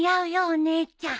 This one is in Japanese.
お姉ちゃん。